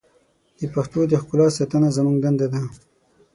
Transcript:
د پښتو د ښکلا ساتنه زموږ دنده ده.